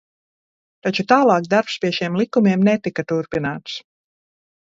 Taču tālāk darbs pie šiem likumiem netika turpināts.